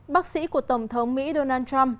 bác sĩ của tổng thống mỹ donald trump